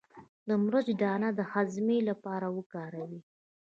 د مرچ دانه د هضم لپاره وکاروئ